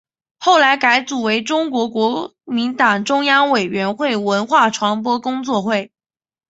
后来改组为中国国民党中央委员会文化传播工作会。